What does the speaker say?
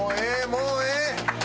もうええ！